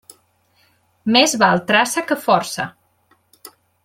Més val traça que força.